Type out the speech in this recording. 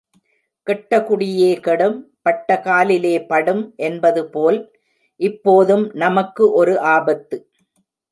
கெட்ட குடியே கெடும், பட்ட காலிலே படும் என்பது போல் இப்போதும் நமக்கு ஒரு ஆபத்து.